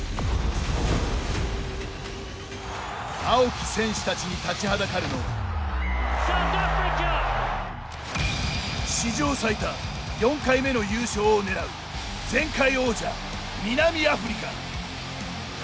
青き戦士たちに立ちはだかるのは史上最多、４回目の優勝を狙う前回王者、南アフリカ。